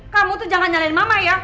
kamu tuh jangan nyalain mama ya